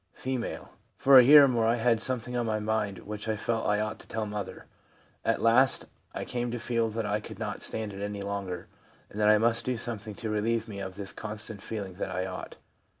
F. 'For a year or more I had something on my mind which I felt I ought to tell mother. At last I came to feel that I could not stand it any longer, and that I must do something to relieve me of this constant feeling that I ought.